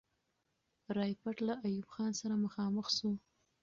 رایپټ له ایوب خان سره مخامخ سو.